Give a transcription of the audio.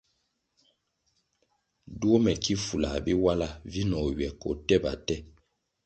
Duo mè ki fulah Biwala vinoh ywè ko tèba tè.